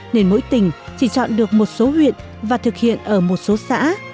nên mỗi tỉnh chỉ chọn được một số huyện và thực hiện ở một số xã